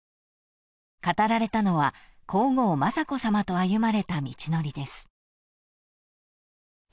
［語られたのは皇后雅子さまと歩まれた道のりです］